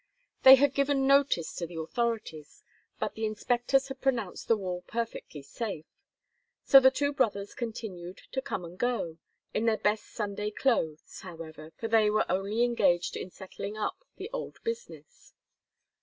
They had given notice to the authorities; but the inspectors had pronounced the wall perfectly safe. So the two brothers continued to come and go, in their best Sunday clothes, however, for they were only engaged in settling up the old business.